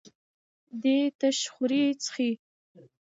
دی تش خوري څښي.